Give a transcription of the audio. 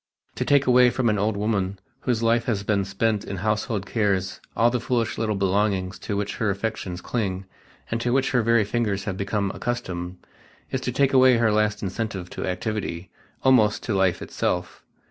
To take away from an old woman whose life has been spent in household cares all the foolish little belongings to which her affections cling and to which her very fingers have become accustomed, is to take away her last incentive to activity, almost to life itself.